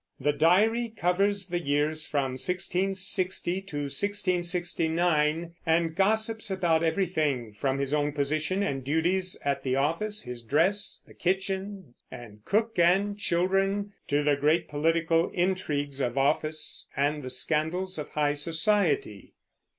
The Diary covers the years from 1660 to 1669, and gossips about everything, from his own position and duties at the office, his dress and kitchen and cook and children, to the great political intrigues of office and the scandals of high society.